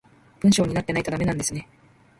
文章になってないとダメなんですね